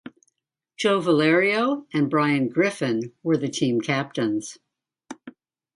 Joe Valerio and Brian Griffin were the team captains.